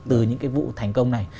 từ những cái vụ thành công này